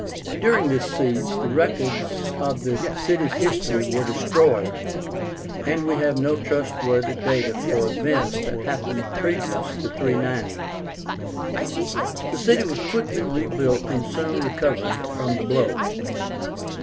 During this siege the records of the city's history were destroyed, and we have no trustworthy data for events that happened previous to 390. The city was quickly rebuilt and soon recovered from the blow.